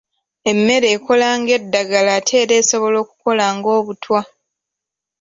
Emmere ekola ng'eddagala ate era esobola okukola ng'obutwa.